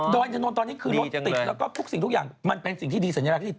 อยอินถนนตอนนี้คือรถติดแล้วก็ทุกสิ่งทุกอย่างมันเป็นสิ่งที่ดีสัญลักษณ์ที่ดี